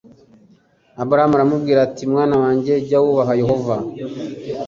aburahamu aramubwira ati mwana wanjye njya wubaha yehova